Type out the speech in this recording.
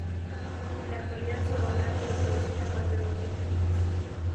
En la actualidad su obra ha sido traducida a más de veinte lenguas.